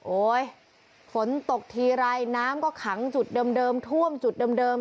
ฝนตกทีไรน้ำก็ขังจุดเดิมท่วมจุดเดิม